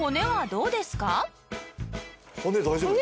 骨大丈夫ですか？